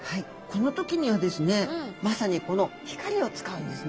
この時にはですねまさにこの光を使うんですね。